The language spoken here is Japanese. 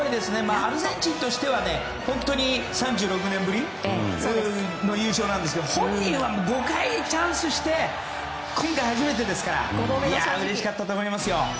アルゼンチンとしては３６年ぶりの優勝なんですけど本人は５回チャンスして今回初めてですからうれしかったと思いますよ。